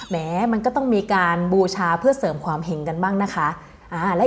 แม้มันก็ต้องมีการบูชาเพื่อเสริมความเห็งกันบ้างนะคะ